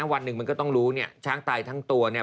วันหนึ่งมันก็ต้องรู้เนี่ยช้างตายทั้งตัวเนี่ย